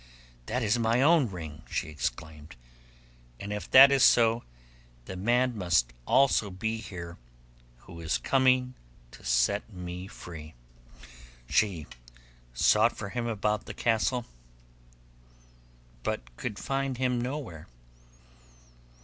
'That is my own ring,' she exclaimed, 'and if that is so the man must also be here who is coming to set me free.' She sought for him about the castle, but could find him nowhere.